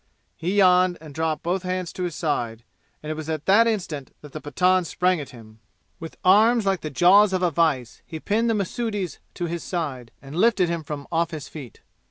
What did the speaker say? He yawned and dropped both hands to his side; and it was at that instant that the Pathan sprang at him. With arms like the jaws of a vise he pinned the Mahsudi's to his side, and lifted him from off his feet.